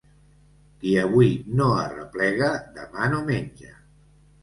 Qui avui no arreplega, demà no menja.